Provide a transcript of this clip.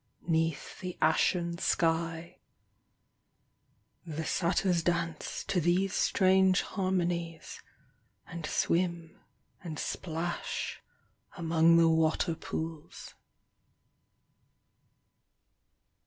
Death the ashen sky. d.un e to these strange harmonies And swim and splash among the water pools.